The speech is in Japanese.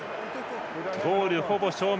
ゴールほぼ正面。